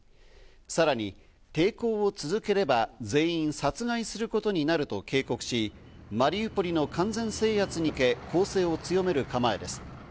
さらに抵抗を続ければ、全員殺害することになると警告し、マリウポリの完全制圧に向け攻勢を強める構えです。